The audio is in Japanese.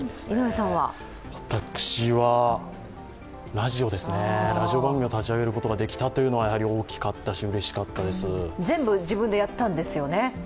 私はラジオですね、ラジオ番組を立ち上げることができたのはやはり大きかったしうれしかったです。